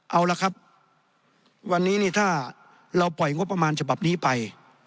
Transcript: เอาละครับวันนี้นี่ถ้าเราปล่อยงบประมาณฉบับนี้ไป